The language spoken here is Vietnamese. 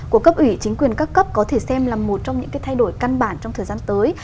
của cấp ủy chính quyền các cấp có thể xem là một trong những cái thay đổi căn bản trong thời gian tới